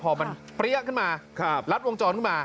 พอมันเปรี้ยขึ้นมาลัดวงจรขึ้นมา